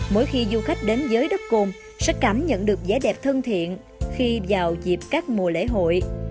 mỗi khi du khách đến giới đất cồn sẽ cảm nhận được vẻ đẹp thân thiện khi vào dịp các mùa lễ hội